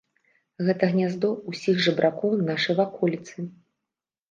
Гэта гняздо ўсіх жабракоў нашай ваколіцы.